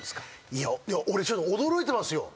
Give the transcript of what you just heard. いやいや俺ちょっと驚いてますよ。